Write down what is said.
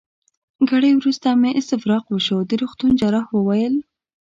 ګړی وروسته مې استفراق وشو، د روغتون جراح وویل.